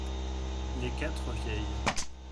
Les quatre vieilles.